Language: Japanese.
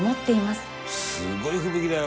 すごい吹雪だよ。